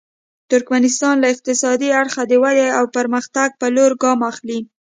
ترکمنستان له اقتصادي اړخه د ودې او پرمختګ په لور ګام اخلي.